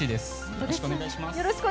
よろしくお願いします。